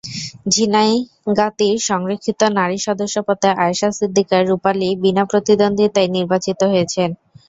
ঝিনাইগাতীর সংরক্ষিত নারী সদস্যপদে আয়েশা সিদ্দিকা রূপালি বিনা প্রতিদ্বন্দ্বিতায় নির্বাচিত হয়েছেন।